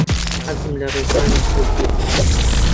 حەزم لە ڕێزمانی کوردییە.